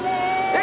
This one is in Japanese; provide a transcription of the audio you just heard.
え！